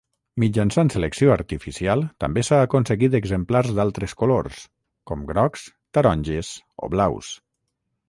Mitjançant selecció artificial, també s'ha aconseguit exemplars d'altres colors, com grocs, taronges o blaus.